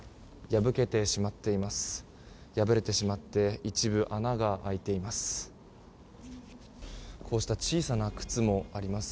破れてしまって一部、穴が開いています。